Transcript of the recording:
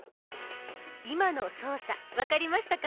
今の操作分かりましたか？